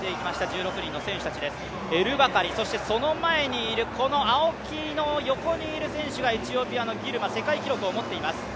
エルバカリ、その前にいる青木の横にいる選手がエチオピアのギルマ世界記録を持っています。